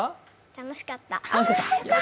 楽しかった。